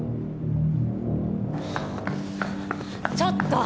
ちょっと！